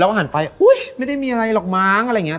แล้วห่านไปอุ้ยไม่ได้มีอะไรหรอกมั้งอะไรอย่างเงี้ย